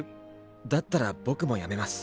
だったら僕もやめます。